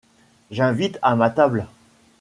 J’invite à ma table